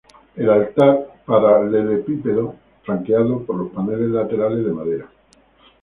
El altar paralelepípedo flanqueado por los paneles laterales de madera.